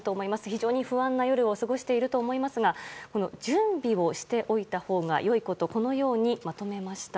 非常に不安な夜を過ごされていると思いますが準備をしておいたほうが良いことこのようにまとめました。